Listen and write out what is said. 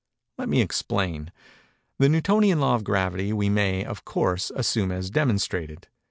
Let me explain:—The Newtonian Law of Gravity we may, of course, assume as demonstrated.